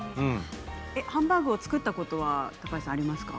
ハンバーグを作ったことはありますか？